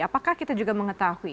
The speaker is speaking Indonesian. apakah kita juga mengetahui